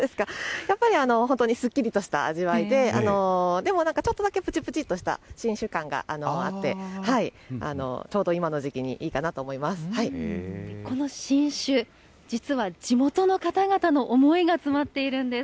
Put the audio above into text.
そうですか、やっぱり本当にすっきりとした味わいで、でもなんか、ちょっとだけ、ぷちぷちっとした新酒感があって、ちょうどこの新酒、実は地元の方々の思いが詰まっているんです。